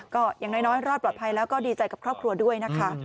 ก็อย่างน้อยรอดปลอดภัยแล้วก็ดีใจกับครอบครัวด้วยนะคะ